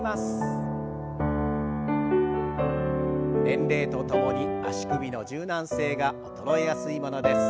年齢とともに足首の柔軟性が衰えやすいものです。